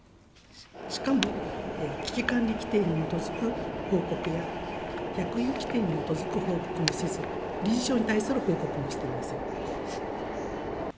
しかも危機管理規程に基づく報告や役員規程に基づく報告もせず、理事長に対する報告もしていません。